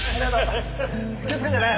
気をつけてね。